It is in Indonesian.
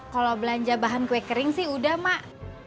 kalau belanja bahan kue kering sih udah mak